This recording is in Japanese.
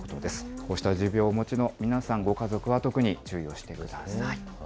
こうした持病をお持ちの皆さん、ご家族は特に注意をしてください。